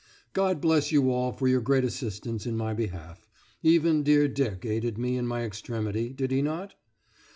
God bless you all for your great assistance in my behalf; even dear Dick aided me in my extremity, did he not?